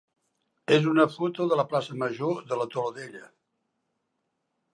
és una foto de la plaça major de la Todolella.